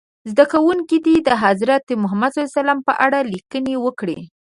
زده کوونکي دې د حضرت محمد ص په اړه لیکنه وکړي.